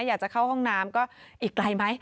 อยากจะเข้าห้องน้ำก็อีกไกลไหม